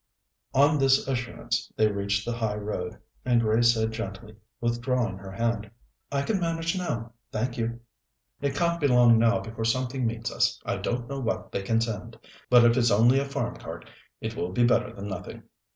On this assurance they reached the high road, and Grace said gently, withdrawing her hand: "I can manage now, thank you." "It can't be long now before something meets us. I don't know what they can send; but if it's only a farm cart, it will be better than nothing."